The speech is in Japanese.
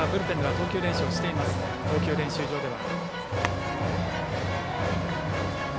投球練習場では。